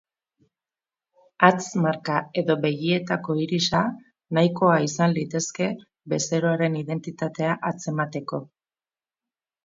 Hatz-marka edo begietako irisa nahikoa izan litezke bezeroaren identitatea atzemateko.